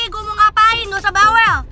gue mau ngapain gak usah bawel